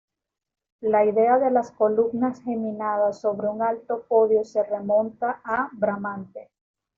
La idea de las columnas geminadas sobre un alto podio se remonta a Bramante.